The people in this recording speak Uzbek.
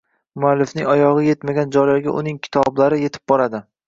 muallifning oyog‘i yetmagan joylarga uning kitoblari yetib boradi.